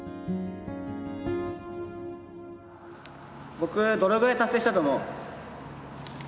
僕どのくらい達成したと思う？